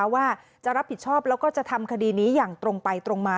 ว่าจะรับผิดชอบแล้วก็จะทำคดีนี้อย่างตรงไปตรงมา